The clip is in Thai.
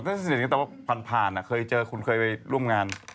แต่ว่าผ่านอะเคยเจอคุณเคยไปร่วมงาน